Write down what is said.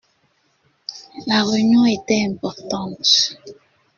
La réunion était importante.